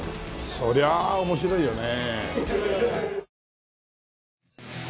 そりゃあ面白いよね。